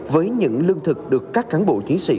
với những lương thực được các cán bộ chiến sĩ